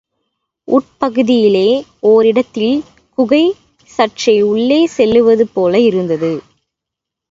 உட்பகுதியிலே ஓரிடத்தில் குகை சற்றே உள்ளே செல்லுவது போல இருந்தது.